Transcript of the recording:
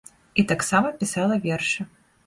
І таксама пісала вершы.